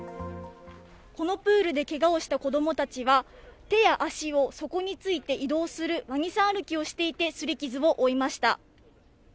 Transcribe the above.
このプールでけがをした子供たちは、手や足を底について移動するわにさん歩きをしていて、すり傷を負いました。